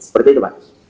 seperti itu pak